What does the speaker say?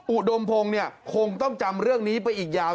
อุดมพงศ์เนี่ยคงต้องจำเรื่องนี้ไปอีกยาว